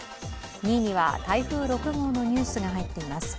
２位には、台風６号のニュースが入っています。